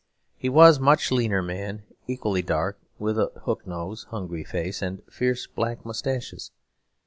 He was a much leaner man, equally dark, with a hook nose, hungry face, and fierce black moustaches.